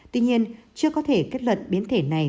tuy nhiên chưa có thể kết luận biến thể này